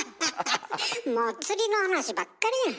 もう釣りの話ばっかりやん。